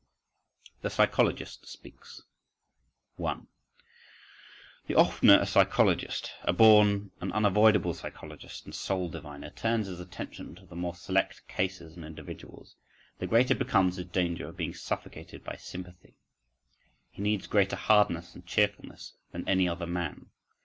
… The Psychologist Speaks. 1. The oftener a psychologist—a born, an unavoidable psychologist and soul diviner—turns his attention to the more select cases and individuals, the greater becomes his danger of being suffocated by sympathy: he needs greater hardness and cheerfulness than any other man.